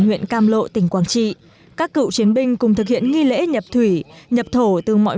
huyện cam lộ tỉnh quảng trị các cựu chiến binh cùng thực hiện nghi lễ nhập thủy nhập thổ từ mọi